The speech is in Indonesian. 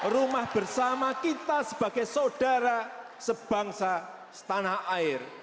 rumah bersama kita sebagai saudara sebangsa setanah air